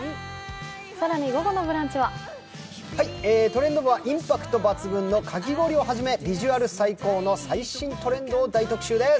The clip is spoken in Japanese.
更に午後の「ブランチ」は「トレンド部」はインパクト抜群のかき氷をはじめ、ビジュアル最高の最新トレンドを大特集です。